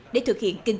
để thực hiện kinh tế